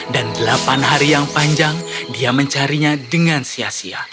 dan delapan hari yang panjang dia mencarinya dengan sia sia